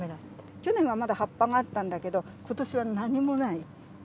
去年はまだ葉っぱがあったんだけど、ことしは何もない。